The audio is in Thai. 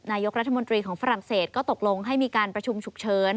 นายกรัฐมนตรีของฝรั่งเศสก็ตกลงให้มีการประชุมฉุกเฉิน